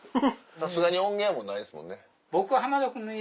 さすがに音源はもうないですもんね。